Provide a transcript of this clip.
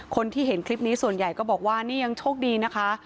คนที่เห็นคลิปนี้ส่วนใหญ่ก็บอกว่านี่ยังโชคดีนะคะ